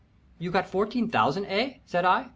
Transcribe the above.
"You got fourteen thousand, eh?" said I.